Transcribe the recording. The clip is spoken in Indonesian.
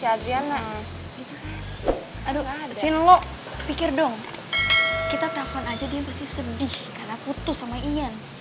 aduh sien lo pikir dong kita telfon aja dia pasti sedih karena putus sama ian